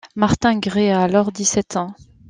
Martin Gray a alors dix-sept ans.